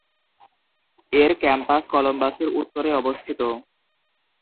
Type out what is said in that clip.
এর ক্যাম্পাস কলম্বাসের উত্তরে অবস্থিত।